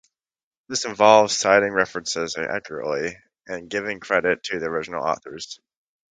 This involves citing references accurately and giving credit to the original authors.